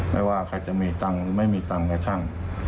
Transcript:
ไม่ว่าใครจะมีตังค์หรือไม่มีตังค์ก็ช่าง